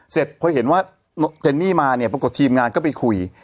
เสร็จพอเห็นว่าเจนนี่มาเนี่ยปรากฏทีมงานก็ไปคุย